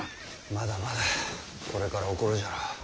まだまだこれから起こるじゃろう。